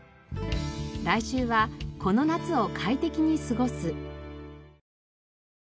来週はこの夏を快適に過ごす。